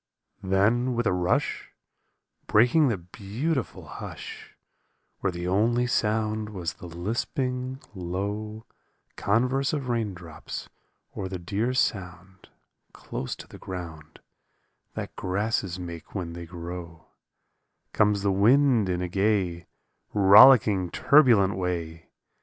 Then with a rush, Breaking the beautiful hush Where the only sound was the lisping, low Converse of raindrops, or the dear sound Close to the ground, That grasses make when they grow, Comes the wind in a gay, Rollicking, turbulent way.